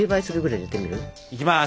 いきます！